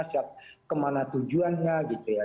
siapa supirnya kemana tujuannya gitu ya